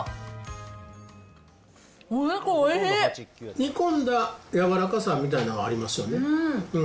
煮込んだやわらかさみたいなのはありますよね。